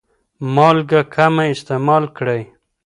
مالګه کمه استعمال کړئ.